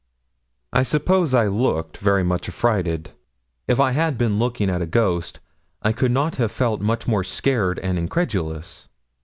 I suppose I looked very much affrighted. If I had been looking at a ghost I could not have felt much more scared and incredulous.